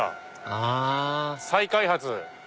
あぁ再開発。